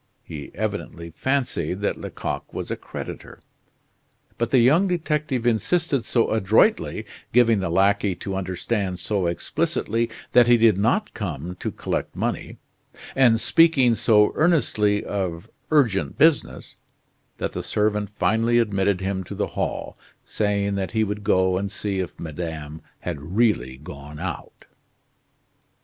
He evidently fancied that Lecoq was a creditor. But the young detective insisted so adroitly, giving the lackey to understand so explicitly that he did not come to collect money, and speaking so earnestly of urgent business, that the servant finally admitted him to the hall, saying that he would go and see if madame had really gone out.